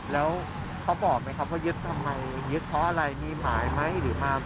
แล้วเขาบอกไหมครับว่ายึดทำไมยึดเพราะอะไรมีหมายไหมหรือมา